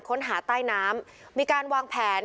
ค้นหาใต้น้ำมีการวางแผน